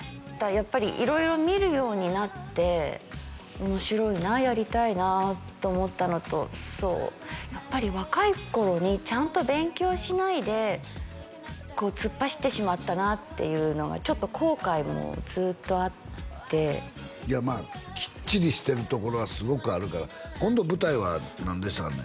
やっぱり色々見るようになって面白いなやりたいなと思ったのとそうやっぱり若い頃にちゃんと勉強しないで突っ走ってしまったなっていうのがちょっと後悔もずっとあっていやきっちりしてるところはすごくあるから今度舞台は何でしたかね？